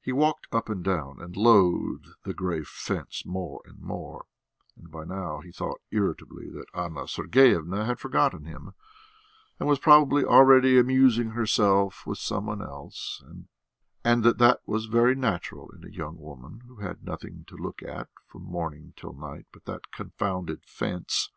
He walked up and down, and loathed the grey fence more and more, and by now he thought irritably that Anna Sergeyevna had forgotten him, and was perhaps already amusing herself with some one else, and that that was very natural in a young woman who had nothing to look at from morning till night but that confounded fence.